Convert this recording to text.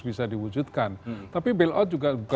bisa diwujudkan tapi bil out juga